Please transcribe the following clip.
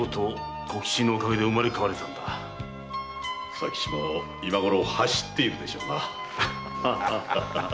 佐吉も今ごろ走っているでしょうな。